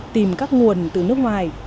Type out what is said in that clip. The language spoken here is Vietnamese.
tìm các nguồn từ nước ngoài